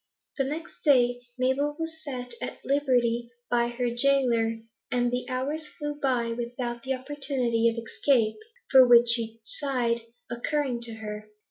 The next day Mabel was set at liberty by her gaoler, and the hours flew by without the opportunity of escape, for which she sighed, occurring to her.